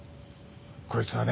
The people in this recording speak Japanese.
こいつはね。